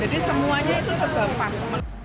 jadi semuanya itu sebebas